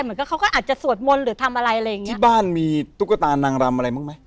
เหมือนกับเขาก็อาจจะสวดมนต์หรือทำอะไรอะไรอย่างงี้ที่บ้านมีตุ๊กตานางรำอะไรบ้างไหม